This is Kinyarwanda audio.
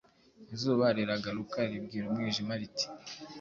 Izuba riragaruka ribwira umwijima riti: